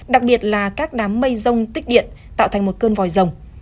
đặc biệt là các đám mây rông tích điện tạo thành một cơn vòi rồng